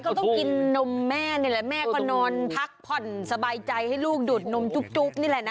ต้องกินนมแม่นี่แหละแม่ก็นอนพักผ่อนสบายใจให้ลูกดูดนมจุ๊บนี่แหละนะ